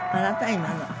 今の。